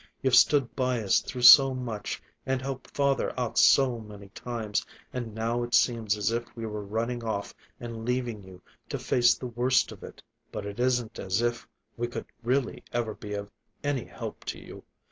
"You've stood by us through so much and helped father out so many times, and now it seems as if we were running off and leaving you to face the worst of it. But it isn't as if we could really ever be of any help to you.